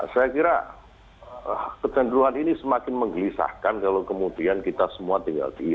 saya kira kecenderungan ini semakin menggelisahkan kalau kemudian kita semua tinggal di